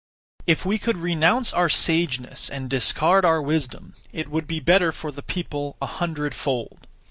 1. If we could renounce our sageness and discard our wisdom, it would be better for the people a hundredfold.